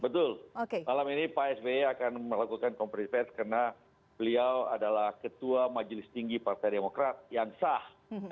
betul malam ini pak sby akan melakukan kompres karena beliau adalah ketua majelis tinggi partai demokrat yang sah